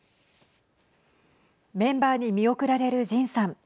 メンバーに見送られるジンさん。